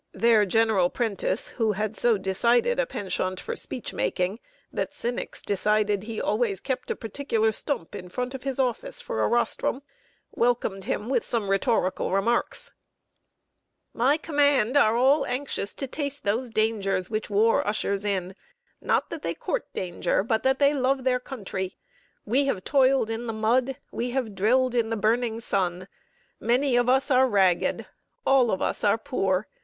There, General Prentiss, who had so decided a penchant for speech making, that cynics declared he always kept a particular stump in front of his office for a rostrum, welcomed him with some rhetorical remarks: "My command are all anxious to taste those dangers which war ushers in not that they court danger, but that they love their country. We have toiled in the mud, we have drilled in the burning sun. Many of us are ragged all of us are poor.